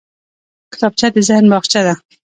کتابچه د ذهن باغچه ده